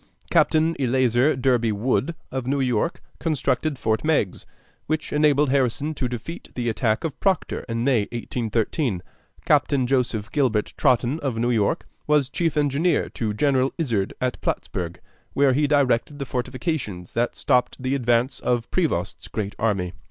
Captain Eleazer Derby Wood, of New York, constructed Fort Meigs, which enabled Harrison to defeat the attack of Proctor in May, 1813. Captain Joseph Gilbert Totten, of New York, was chief engineer to General Izard at Plattsburg, where he directed the fortifications that stopped the advance of Prevost's great army.